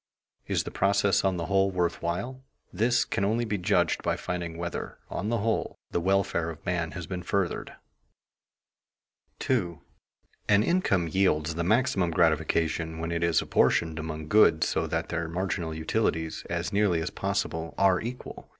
Is the process, on the whole, worth while? This can only be judged by finding whether, on the whole, the welfare of man has been furthered. [Sidenote: The marginal application of income] 2. _An income yields the maximum gratification when it is apportioned among goods so that their marginal utilities, as nearly as possible, are equal.